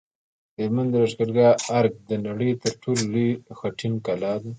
د هلمند د لښکرګاه ارک د نړۍ تر ټولو لوی خټین کلا ده